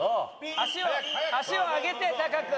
足を足を上げて高く！